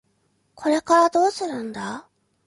これからどうするんだ？